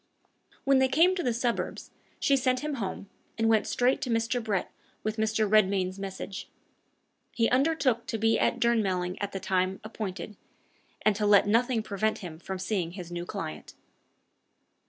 When they came to the suburbs, she sent him home, and went straight to Mr. Brett with Mr. Redmain's message. He undertook to be at Durnmelling at the time appointed, and to let nothing prevent him from seeing his new client.